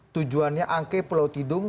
tujuannya angke pulau tidung